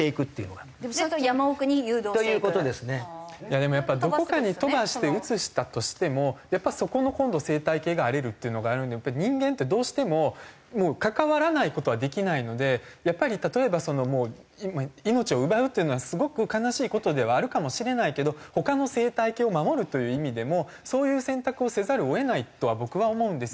でもやっぱどこかに飛ばして移したとしてもそこの今度生態系が荒れるっていうのがあるんで人間ってどうしても関わらない事はできないのでやっぱり例えばもう命を奪うっていうのはすごく悲しい事ではあるかもしれないけど他の生態系を守るという意味でもそういう選択をせざるを得ないとは僕は思うんですよ。